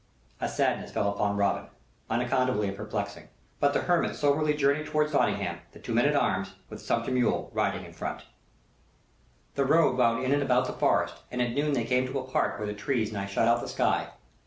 A sadness fell upon Robin unaccountable and perplexing. But the hermit soberly journeyed toward Nottingham, the two men at arms, with the sumpter mule, riding in front. The road wound in and about the forest, and at noon they came to a part where the trees nigh shut out the sky.